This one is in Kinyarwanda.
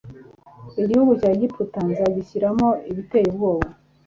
igihugu cya Egiputa nzagishyiramo ibiteye ubwoba